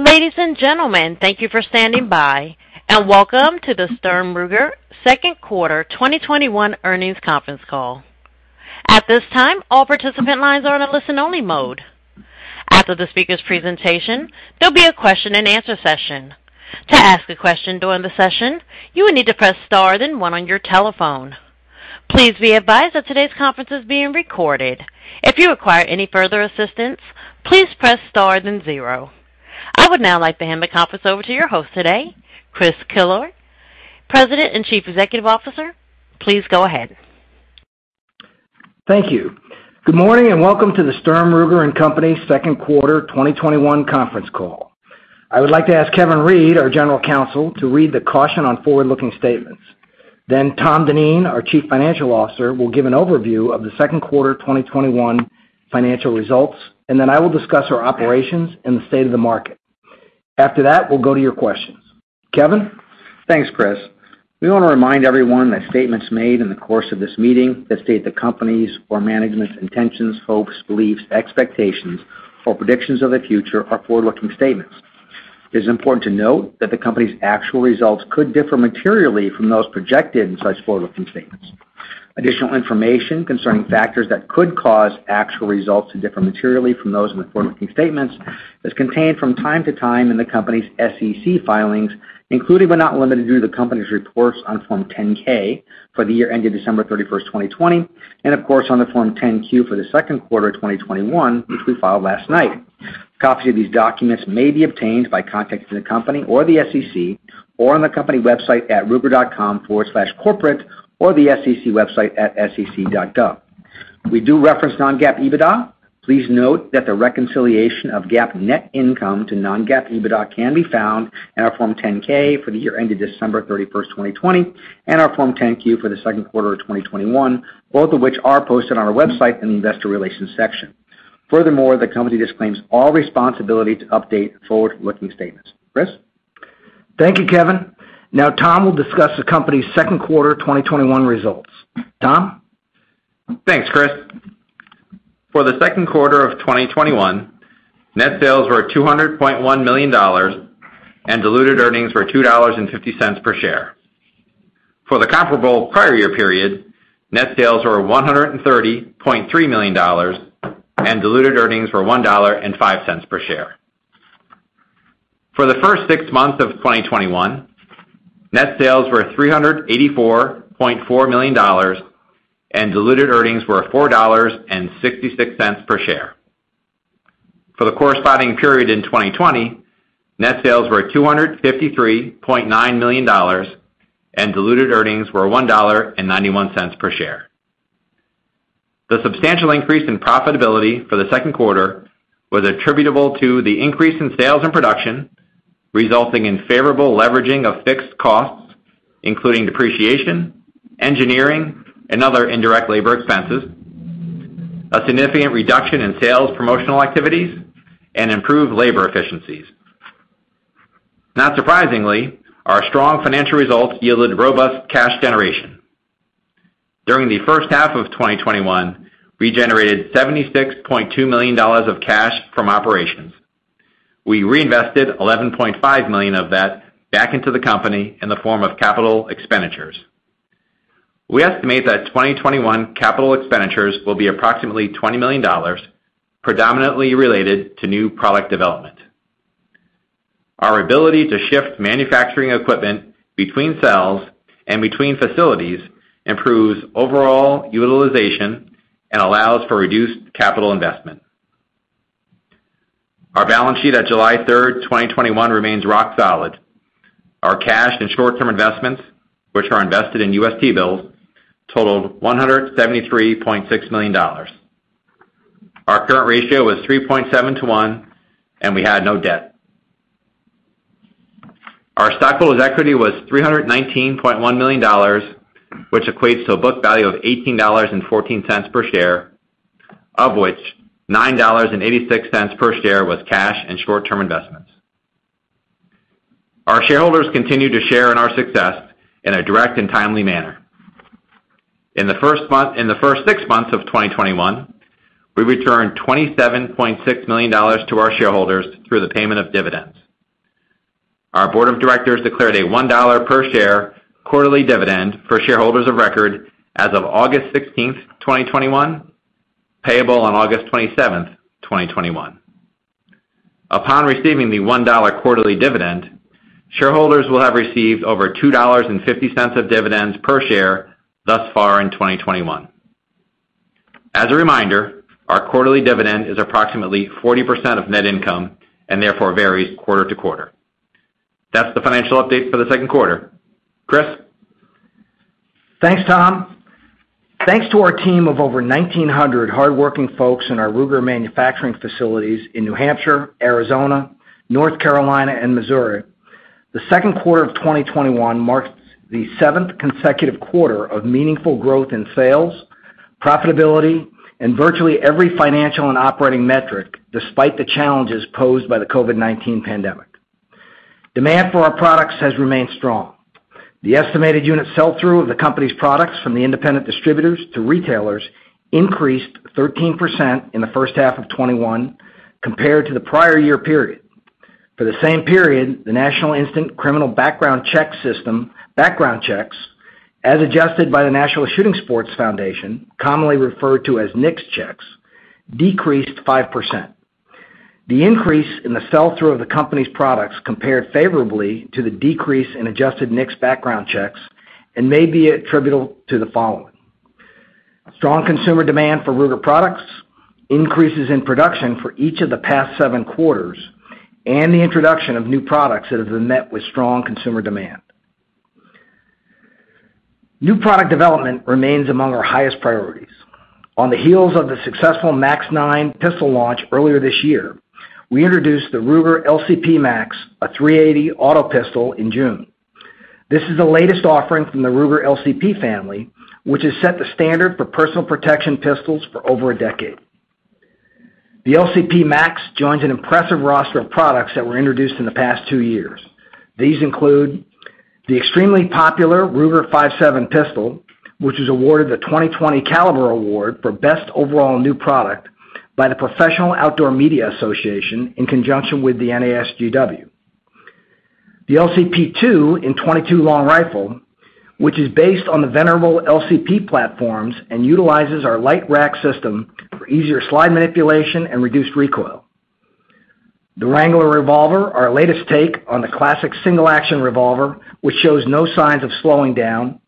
Ladies and gentlemen, thank you for standing by, and welcome to the Sturm Ruger second quarter 2021 earnings conference call. I would now like to hand the conference over to your host today, Chris Killoy, President and Chief Executive Officer. Please go ahead. Thank you. Good morning, and welcome to the Sturm, Ruger & Company second quarter 2021 conference call. I would like to ask Kevin Reid, our General Counsel, to read the caution on forward-looking statements. Tom Dineen, our Chief Financial Officer, will give an overview of the second quarter 2021 financial results, and then I will discuss our operations and the state of the market. After that, we'll go to your questions. Kevin? Thanks, Chris. We want to remind everyone that statements made in the course of this meeting that state the company's or management's intentions, hopes, beliefs, expectations, or predictions of the future are forward-looking statements. It is important to note that the company's actual results could differ materially from those projected in such forward-looking statements. Additional information concerning factors that could cause actual results to differ materially from those in the forward-looking statements is contained from time to time in the company's SEC filings, including but not limited to the company's reports on Form 10-K for the year ended December 31, 2020, and of course, on the Form 10-Q for the second quarter of 2021, which we filed last night. Copies of these documents may be obtained by contacting the company or the SEC, or on the company website at ruger.com/corporate, or the SEC website at sec.gov. We do reference non-GAAP EBITDA. Please note that the reconciliation of GAAP net income to non-GAAP EBITDA can be found in our Form 10-K for the year ended December 31st, 2020, and our Form 10-Q for the second quarter of 2021, both of which are posted on our website in the investor relations section. The company disclaims all responsibility to update forward-looking statements. Chris? Thank you, Kevin. Now Tom will discuss the company's second quarter 2021 results. Tom? Thanks, Chris. For the second quarter of 2021, net sales were $200.1 million, and diluted earnings were $2.50 per share. For the comparable prior year period, net sales were $130.3 million, and diluted earnings were $1.05 per share. For the first six months of 2021, net sales were $384.4 million, and diluted earnings were $4.66 per share. For the corresponding period in 2020, net sales were $253.9 million, and diluted earnings were $1.91 per share. The substantial increase in profitability for the second quarter was attributable to the increase in sales and production, resulting in favorable leveraging of fixed costs, including depreciation, engineering, and other indirect labor expenses, a significant reduction in sales promotional activities, and improved labor efficiencies. Not surprisingly, our strong financial results yielded robust cash generation. During the first half of 2021, we generated $76.2 million of cash from operations. We reinvested $11.5 million of that back into the company in the form of capital expenditures. We estimate that 2021 capital expenditures will be approximately $20 million, predominantly related to new product development. Our ability to shift manufacturing equipment between cells and between facilities improves overall utilization and allows for reduced capital investment. Our balance sheet at July 3rd, 2021, remains rock solid. Our cash and short-term investments, which are invested in U.S. T-bills, totaled $173.6 million. Our current ratio was 3.7 to 1, and we had no debt. Our stockholders' equity was $319.1 million, which equates to a book value of $18.14 per share, of which $9.86 per share was cash and short-term investments. Our shareholders continue to share in our success in a direct and timely manner. In the first six months of 2021, we returned $27.6 million to our shareholders through the payment of dividends. Our board of directors declared a $1 per share quarterly dividend for shareholders of record as of August 16th, 2021, payable on August 27th, 2021. Upon receiving the $1 quarterly dividend, shareholders will have received over $2.50 of dividends per share thus far in 2021. As a reminder, our quarterly dividend is approximately 40% of net income and therefore varies quarter to quarter. That's the financial update for the second quarter. Chris. Thanks, Tom. Thanks to our team of over 1,900 hardworking folks in our Ruger manufacturing facilities in New Hampshire, Arizona, North Carolina, and Missouri, the second quarter of 2021 marks the seventh consecutive quarter of meaningful growth in sales, profitability, and virtually every financial and operating metric despite the challenges posed by the COVID-19 pandemic. Demand for our products has remained strong. The estimated unit sell-through of the company's products from the independent distributors to retailers increased 13% in the first half of 2021 compared to the prior year period. For the same period, the National Instant Criminal Background Checks, as adjusted by the National Shooting Sports Foundation, commonly referred to as NICS checks, decreased 5%. The increase in the sell-through of the company's products compared favorably to the decrease in adjusted NICS background checks and may be attributable to the following. Strong consumer demand for Ruger products, increases in production for each of the past seven quarters, and the introduction of new products that have been met with strong consumer demand. New product development remains among our highest priorities. On the heels of the successful MAX-9 pistol launch earlier this year, we introduced the Ruger LCP MAX, a .380 Auto pistol, in June. This is the latest offering from the Ruger LCP family, which has set the standard for personal protection pistols for over a decade. The LCP MAX joins an impressive roster of products that were introduced in the past two years. These include the extremely popular Ruger-57 pistol, which was awarded the 2020 Caliber Award for best overall new product by the Professional Outdoor Media Association in conjunction with the NASGW. The LCP II in .22 Long Rifle, which is based on the venerable LCP platforms and utilizes our Lite Rack system for easier slide manipulation and reduced recoil. The Wrangler Revolver, our latest take on the classic single-action revolver, which shows no signs of slowing down,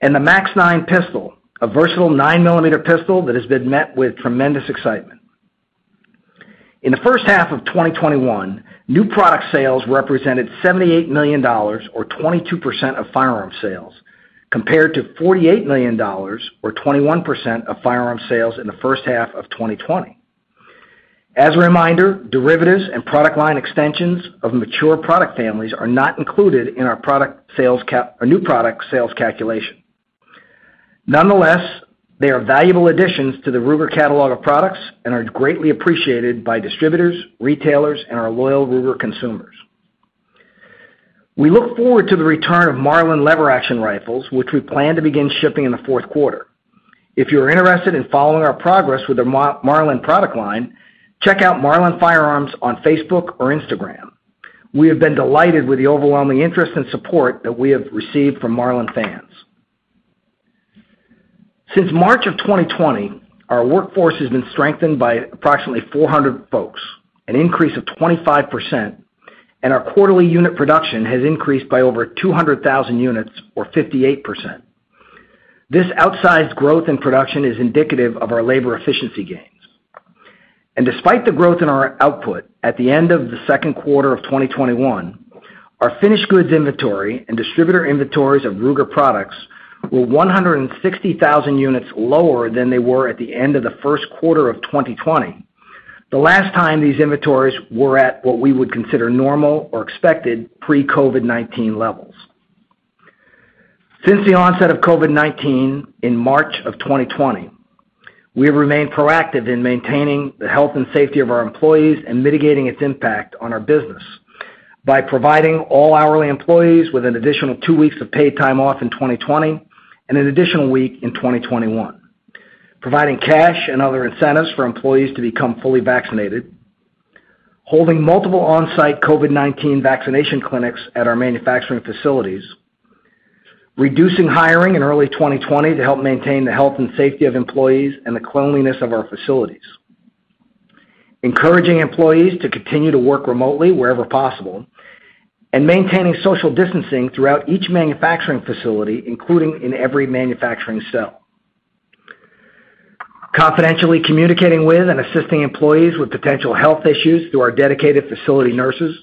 and the MAX-9 pistol, a versatile nine-millimeter pistol that has been met with tremendous excitement. In the first half of 2021, new product sales represented $78 million, or 22% of firearm sales, compared to $48 million, or 21% of firearm sales in the first half of 2020. As a reminder, derivatives and product line extensions of mature product families are not included in our new product sales calculation. Nonetheless, they are valuable additions to the Ruger catalog of products and are greatly appreciated by distributors, retailers, and our loyal Ruger consumers. We look forward to the return of Marlin lever-action rifles, which we plan to begin shipping in the fourth quarter. If you're interested in following our progress with the Marlin product line, check out Marlin Firearms on Facebook or Instagram. We have been delighted with the overwhelming interest and support that we have received from Marlin fans. Since March of 2020, our workforce has been strengthened by approximately 400 folks, an increase of 25%, and our quarterly unit production has increased by over 200,000 units, or 58%. This outsized growth in production is indicative of our labor efficiency gains. Despite the growth in our output at the end of the second quarter of 2021, our finished goods inventory and distributor inventories of Ruger products were 160,000 units lower than they were at the end of the first quarter of 2020. The last time these inventories were at what we would consider normal or expected pre-COVID-19 levels. Since the onset of COVID-19 in March of 2020, we have remained proactive in maintaining the health and safety of our employees and mitigating its impact on our business by providing all hourly employees with an additional two weeks of paid time off in 2020 and an additional week in 2021, providing cash and other incentives for employees to become fully vaccinated, holding multiple on-site COVID-19 vaccination clinics at our manufacturing facilities, reducing hiring in early 2020 to help maintain the health and safety of employees and the cleanliness of our facilities, encouraging employees to continue to work remotely wherever possible, and maintaining social distancing throughout each manufacturing facility, including in every manufacturing cell. Confidentially communicating with and assisting employees with potential health issues through our dedicated facility nurses,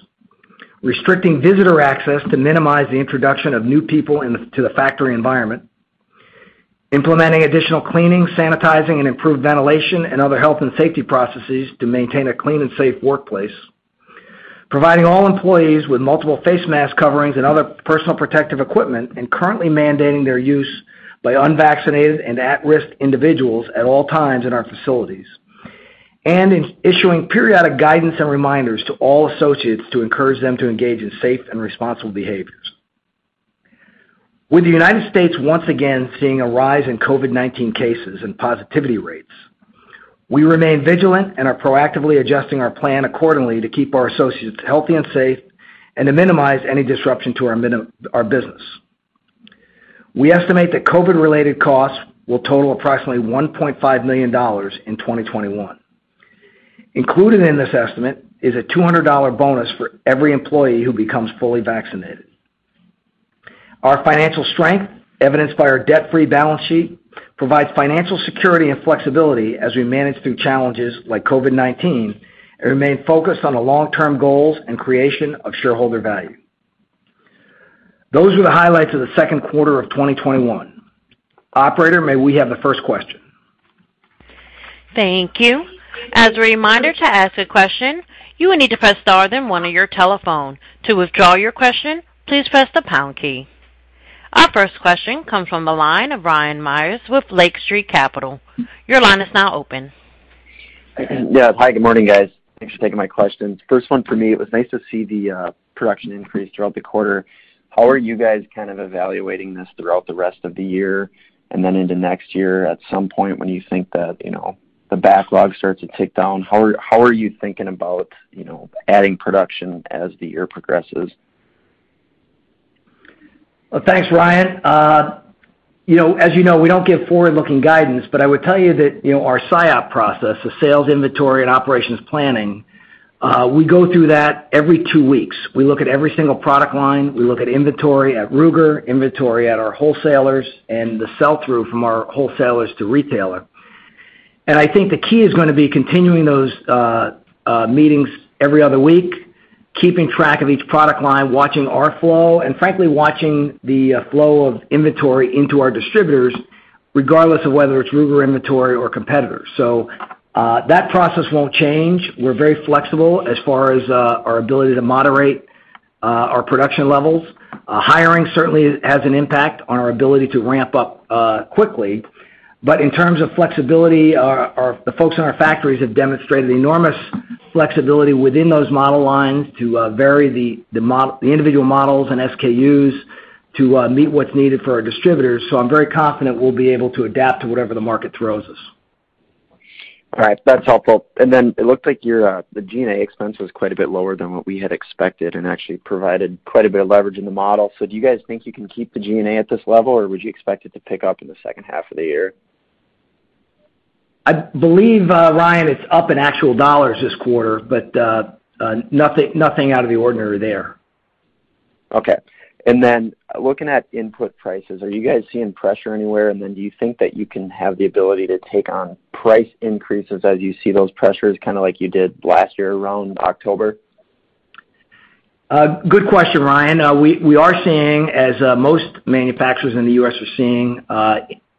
restricting visitor access to minimize the introduction of new people into the factory environment, implementing additional cleaning, sanitizing, and improved ventilation and other health and safety processes to maintain a clean and safe workplace. Providing all employees with multiple face mask coverings and other personal protective equipment and currently mandating their use by unvaccinated and at-risk individuals at all times in our facilities and issuing periodic guidance and reminders to all associates to encourage them to engage in safe and responsible behaviors. With the U.S. once again seeing a rise in COVID-19 cases and positivity rates, we remain vigilant and are proactively adjusting our plan accordingly to keep our associates healthy and safe and to minimize any disruption to our business. We estimate that COVID-related costs will total approximately $1.5 million in 2021. Included in this estimate is a $200 bonus for every employee who becomes fully vaccinated. Our financial strength, evidenced by our debt-free balance sheet, provides financial security and flexibility as we manage through challenges like COVID-19 and remain focused on the long-term goals and creation of shareholder value. Those were the highlights of the second quarter of 2021. Operator, may we have the first question? Thank you. As a reminder to ask a question, you will need to press star then one on your telephone. To withdraw your question, please press the pound key. Our first question comes from the line of Ryan Meyers with Lake Street Capital. Your line is now open. Yeah. Hi, good morning, guys. Thanks for taking my questions. First one for me, it was nice to see the production increase throughout the quarter. How are you guys evaluating this throughout the rest of the year and then into next year at some point when you think that the backlog starts to tick down? How are you thinking about adding production as the year progresses? Well, thanks, Ryan. As you know, we don't give forward-looking guidance, but I would tell you that our SIOP process, the sales inventory and operations planning, we go through that every two weeks. We look at every single product line. We look at inventory at Ruger, inventory at our wholesalers, and the sell-through from our wholesalers to retailer. I think the key is going to be continuing those meetings every other week, keeping track of each product line, watching our flow, and frankly, watching the flow of inventory into our distributors, regardless of whether it's Ruger inventory or competitors. That process won't change. We're very flexible as far as our ability to moderate our production levels. Hiring certainly has an impact on our ability to ramp up quickly. In terms of flexibility, the folks in our factories have demonstrated enormous flexibility within those model lines to vary the individual models and SKUs to meet what's needed for our distributors. I'm very confident we'll be able to adapt to whatever the market throws us. All right. That's helpful. It looked like the G&A expense was quite a bit lower than what we had expected and actually provided quite a bit of leverage in the model. Do you guys think you can keep the G&A at this level, or would you expect it to pick up in the second half of the year? I believe, Ryan, it's up in actual dollars this quarter, but nothing out of the ordinary there. Okay. Looking at input prices, are you guys seeing pressure anywhere? Do you think that you can have the ability to take on price increases as you see those pressures, kind of like you did last year around October? Good question, Ryan. We are seeing, as most manufacturers in the U.S. are seeing,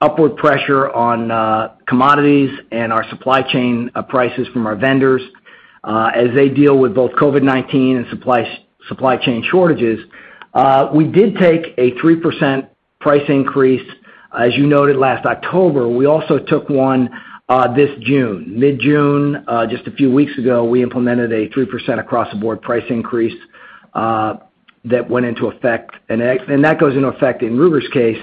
upward pressure on commodities and our supply chain prices from our vendors, as they deal with both COVID-19 and supply chain shortages. We did take a 3% price increase, as you noted, last October. We also took one this June. Mid-June, just a few weeks ago, we implemented a 3% across the board price increase, that went into effect. That goes into effect, in Ruger's case,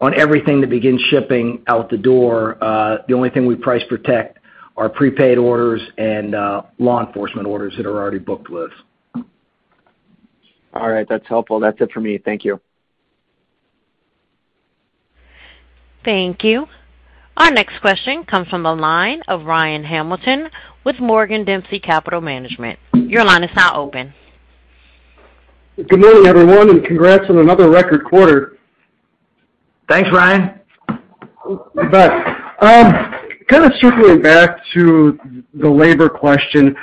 on everything that begins shipping out the door. The only thing we price protect are prepaid orders and law enforcement orders that are already booked with. All right. That's helpful. That's it for me. Thank you. Thank you. Our next question comes from the line of Ryan Hamilton with Morgan Dempsey Capital Management. Your line is now open. Good morning, everyone, congrats on another record quarter. Thanks, Ryan. You bet. Kind of circling back to the labor question.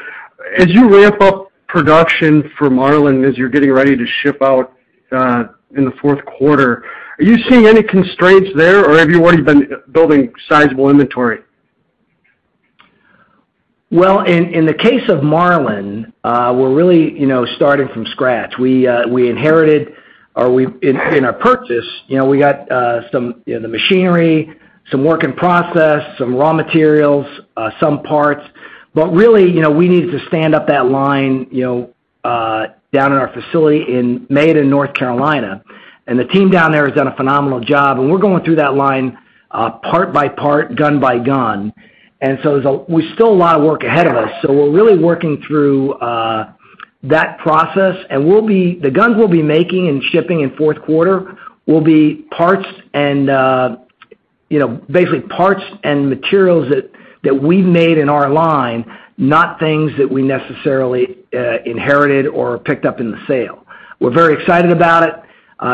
As you ramp up production for Marlin, as you're getting ready to ship out in the fourth quarter, are you seeing any constraints there, or have you already been building sizable inventory? In the case of Marlin, we're really starting from scratch. In our purchase, we got the machinery, some work in process, some raw materials, some parts. Really, we needed to stand up that line down in our facility in Mayodan, North Carolina. The team down there has done a phenomenal job. We're going through that line part by part, gun by gun. We still have a lot of work ahead of us. We're really working through that process. The guns we'll be making and shipping in the fourth quarter will be basically parts and materials that we made in our line, not things that we necessarily inherited or picked up in the sale. We're very excited about it.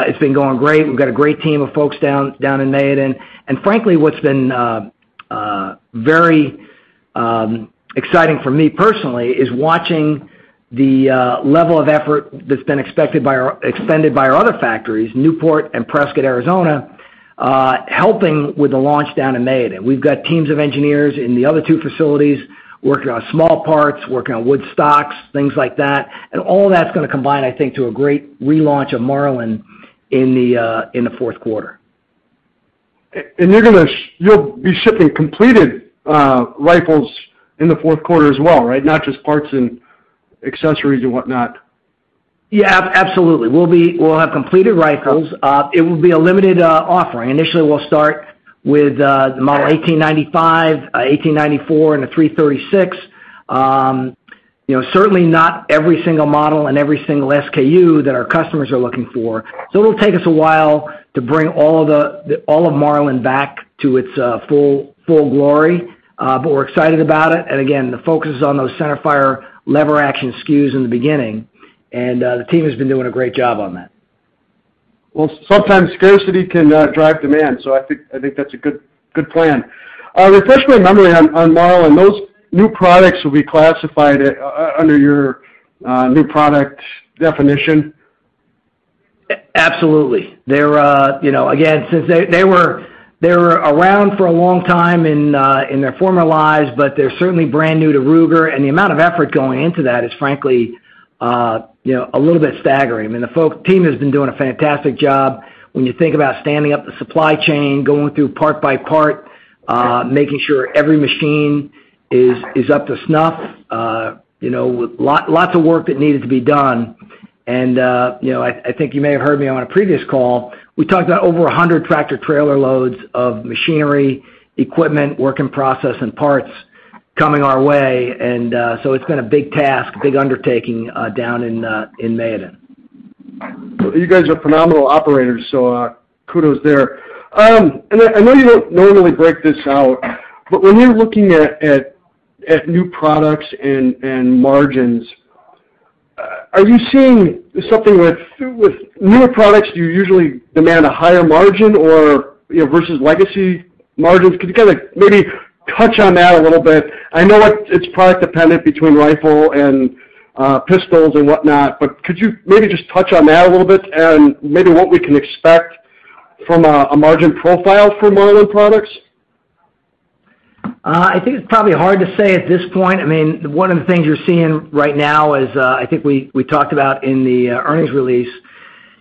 It's been going great. We've got a great team of folks down in Mayodan. Frankly, what's been very exciting for me personally is watching the level of effort that's been extended by our other factories, Newport and Prescott, Arizona, helping with the launch down in Mayodan. We've got teams of engineers in the other two facilities working on small parts, working on wood stocks, things like that. All that's going to combine, I think, to a great relaunch of Marlin in the fourth quarter. You'll be shipping completed rifles in the fourth quarter as well, right? Not just parts and accessories and whatnot. Yeah, absolutely. We'll have completed rifles. It will be a limited offering. Initially, we'll start with the Model 1895, Model 1894, and the Model 336. Certainly not every single model and every single SKU that our customers are looking for. It'll take us a while to bring all of Marlin back to its full glory. We're excited about it. Again, the focus is on those centerfire lever action SKUs in the beginning, and the team has been doing a great job on that. Sometimes scarcity can drive demand, so I think that's a good plan. Refresh my memory on Marlin. Those new products will be classified under your new product definition? Absolutely. Since they were around for a long time in their former lives, they were certainly brand new to Ruger, the amount of effort going into that is frankly, a little bit staggering. I mean, the team has been doing a fantastic job when you think about standing up the supply chain, going through part by part, making sure every machine is up to snuff. Lots of work that needed to be done. I think you may have heard me on a previous call, we talked about over 100 tractor-trailer loads of machinery, equipment, work in process, and parts coming our way. It's been a big task, big undertaking, down in Mayodan. You guys are phenomenal operators, kudos there. I know you don't normally break this out, when you're looking at new products and margins, are you seeing something with newer products, do you usually demand a higher margin or versus legacy margins? Could you maybe touch on that a little bit? I know it's product dependent between rifle and pistols and whatnot, could you maybe just touch on that a little bit and maybe what we can expect from a margin profile for modern products? I think it's probably hard to say at this point. One of the things you're seeing right now is, I think we talked about in the earnings release,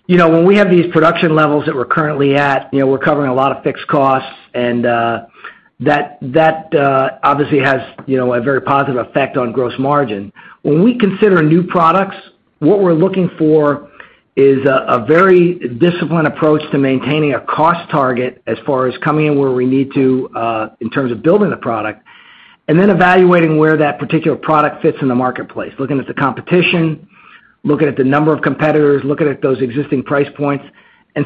when we have these production levels that we're currently at, we're covering a lot of fixed costs and that obviously has a very positive effect on gross margin. When we consider new products, what we're looking for is a very disciplined approach to maintaining a cost target as far as coming in where we need to, in terms of building the product, then evaluating where that particular product fits in the marketplace, looking at the competition, looking at the number of competitors, looking at those existing price points.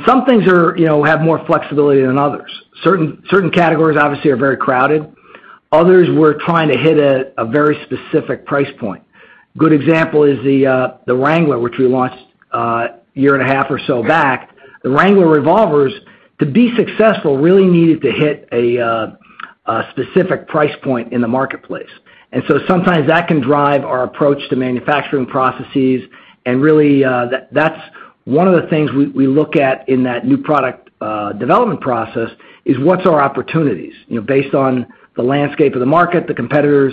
Some things have more flexibility than others. Certain categories obviously are very crowded. Others, we're trying to hit a very specific price point. Good example is the Wrangler, which we launched a year and a half or so back. The Wrangler revolvers, to be successful, really needed to hit a specific price point in the marketplace. Sometimes that can drive our approach to manufacturing processes, and really, that's one of the things we look at in that new product development process, is what's our opportunities? Based on the landscape of the market, the competitors,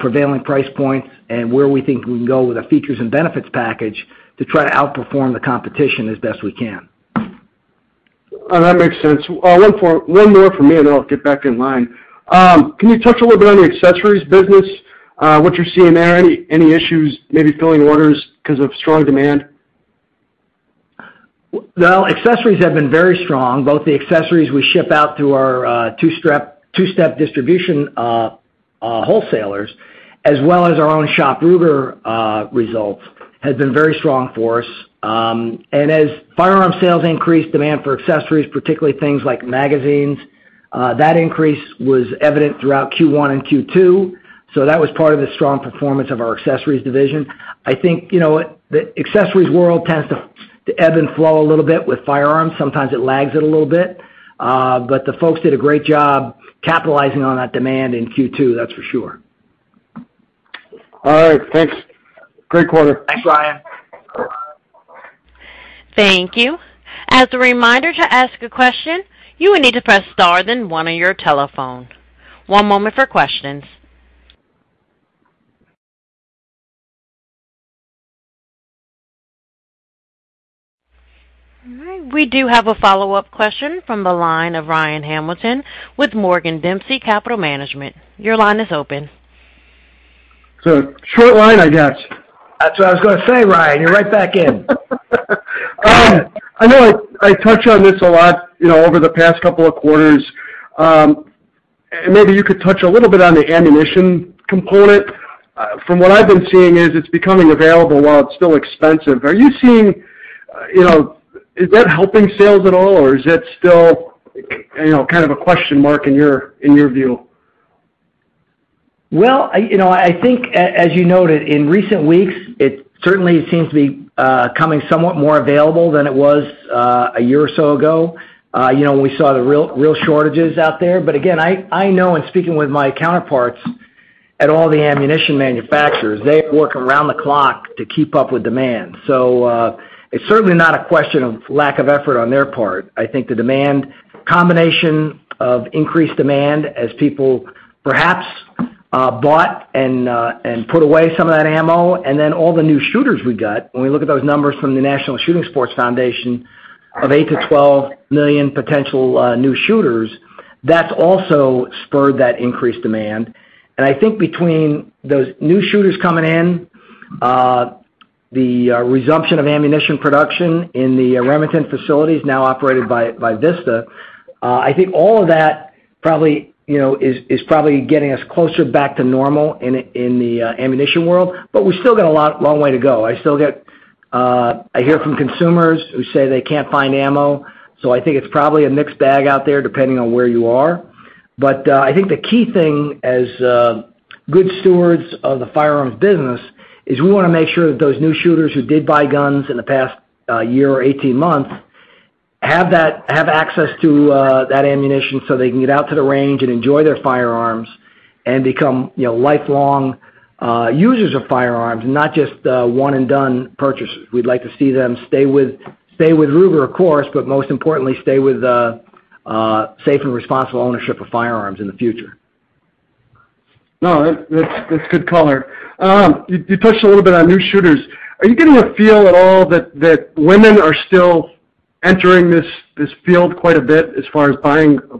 prevailing price points, and where we think we can go with the features and benefits package to try to outperform the competition as best we can. That makes sense. One more from me, and then I'll get back in line. Can you touch a little bit on the accessories business, what you're seeing there? Any issues maybe filling orders because of strong demand? Well, accessories have been very strong, both the accessories we ship out through our two-step distribution wholesalers, as well as our own Shop Ruger results, have been very strong for us. As firearm sales increase, demand for accessories, particularly things like magazines, that increase was evident throughout Q1 and Q2. That was part of the strong performance of our accessories division. I think, the accessories world tends to ebb and flow a little bit with firearms. Sometimes it lags it a little bit. The folks did a great job capitalizing on that demand in Q2, that's for sure. All right. Thanks. Great quarter. Thanks, Ryan. Thank you. As a reminder to ask a question, you will need to press star then one on your telephone. One moment for questions. All right, we do have a follow-up question from the line of Ryan Hamilton with Morgan Dempsey Capital Management. Your line is open. It's a short line, I guess. That's what I was going to say, Ryan. You're right back in. I know I touch on this a lot over the past couple of quarters. Maybe you could touch a little bit on the ammunition component. From what I've been seeing is, it's becoming available while it's still expensive. Is that helping sales at all, or is that still kind of a question mark in your view? I think, as you noted, in recent weeks, it certainly seems to be becoming somewhat more available than it was a year or so ago. We saw the real shortages out there. Again, I know in speaking with my counterparts at all the ammunition manufacturers, they are working around the clock to keep up with demand. It's certainly not a question of lack of effort on their part. I think the combination of increased demand as people perhaps bought and put away some of that ammo, and then all the new shooters we got, when we look at those numbers from the National Shooting Sports Foundation of 8 million to 12 million potential new shooters, that's also spurred that increased demand. I think between those new shooters coming in, the resumption of ammunition production in the Remington facilities now operated by Vista, I think all of that is probably getting us closer back to normal in the ammunition world, but we still got a long way to go. I hear from consumers who say they can't find ammo, I think it's probably a mixed bag out there, depending on where you are. I think the key thing as good stewards of the firearms business is we want to make sure that those new shooters who did buy guns in the past year or 18 months have access to that ammunition so they can get out to the range and enjoy their firearms. And become lifelong users of firearms, not just one-and-done purchasers. We'd like to see them stay with Ruger, of course, but most importantly, stay with safe and responsible ownership of firearms in the future. No, that's good color. You touched a little bit on new shooters. Are you getting a feel at all that women are still entering this field quite a bit as far as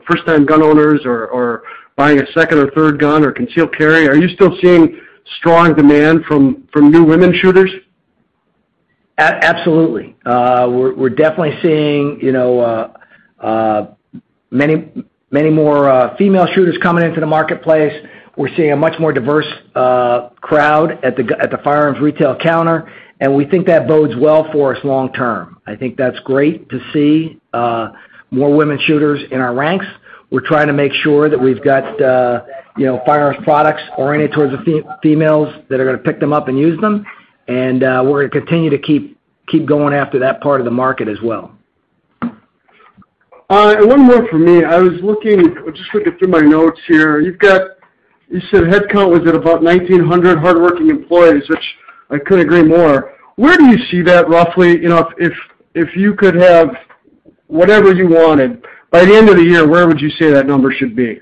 first-time gun owners or buying a second or third gun or concealed carry? Are you still seeing strong demand from new women shooters? Absolutely. We're definitely seeing many more female shooters coming into the marketplace. We're seeing a much more diverse crowd at the firearms retail counter. We think that bodes well for us long term. I think that's great to see more women shooters in our ranks. We're trying to make sure that we've got firearms products oriented towards the females that are going to pick them up and use them. We're going to continue to keep going after that part of the market as well. All right. One more from me. I was just looking through my notes here. You said headcount was at about 1,900 hardworking employees, which I couldn't agree more. Where do you see that roughly, if you could have whatever you wanted, by the end of the year, where would you say that number should be?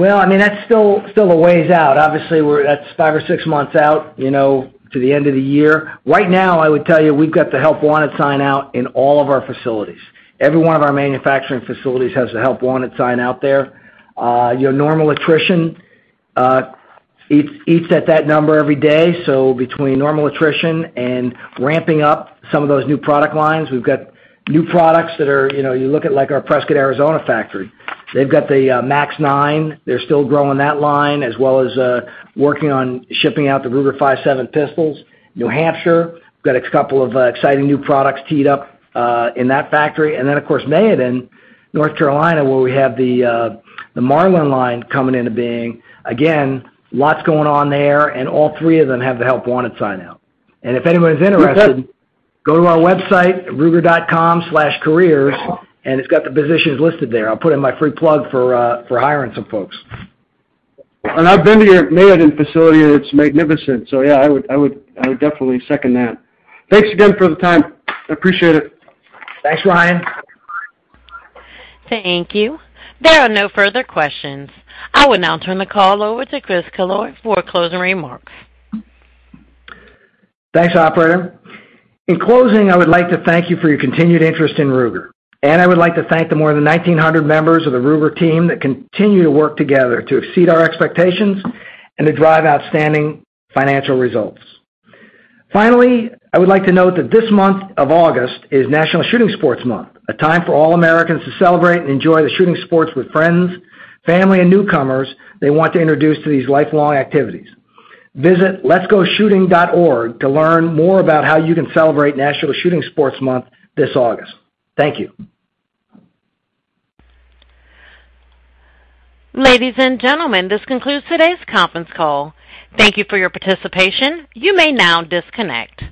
I mean, that's still a way out. Obviously, that's five or six months out, to the end of the year. Right now, I would tell you we've got the help wanted sign out in all of our facilities. Every one of our manufacturing facilities has a help wanted sign out there. Normal attrition eats at that number every day, between normal attrition and ramping up some of those new product lines, we've got new products. You look at our Prescott, Arizona factory. They've got the MAX-9. They're still growing that line as well as working on shipping out the Ruger-57 pistols. New Hampshire got a couple of exciting new products teed up in that factory. Then, of course, Mayodan, North Carolina, where we have the Marlin line coming into being. Again, lots going on there, all three of them have the help wanted sign out. If anyone's interested. That's it. go to our website ruger.com/careers, and it's got the positions listed there. I'll put in my free plug for hiring some folks. I've been to your Mayodan facility, and it's magnificent. Yeah, I would definitely second that. Thanks again for the time. I appreciate it. Thanks, Ryan. Thank you. There are no further questions. I will now turn the call over to Chris Killoy for closing remarks. Thanks, operator. In closing, I would like to thank you for your continued interest in Ruger, and I would like to thank the more than 1,900 members of the Ruger team that continue to work together to exceed our expectations and to drive outstanding financial results. Finally, I would like to note that this month of August is National Shooting Sports Month, a time for all Americans to celebrate and enjoy the shooting sports with friends, family, and newcomers they want to introduce to these lifelong activities. Visit letsgoshooting.org to learn more about how you can celebrate National Shooting Sports Month this August. Thank you. Ladies and gentlemen, this concludes today's conference call. Thank you for your participation. You may now disconnect.